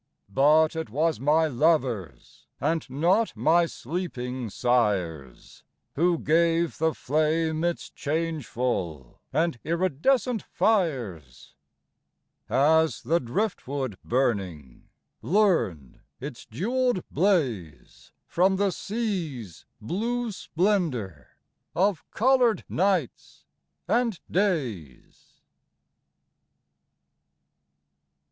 But it was my lovers, And not my sleeping sires, Who gave the flame its changeful And iridescent fires; As the driftwood burning Learned its jewelled blaze From the sea's blue splendor Of colored nights and days.